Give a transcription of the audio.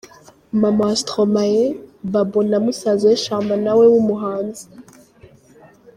Maman wa Stromae, Babo na musaza we Charmant na we w'umuhanzi.